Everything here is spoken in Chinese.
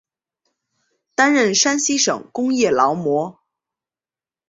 担任山西省工业劳模。